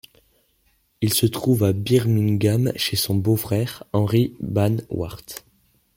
Il se trouve à Birmingham chez son beau-frère, Henry Van Wart.